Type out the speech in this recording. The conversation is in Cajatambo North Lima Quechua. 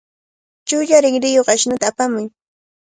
Chulla rinriyuq ashnuta apamuy.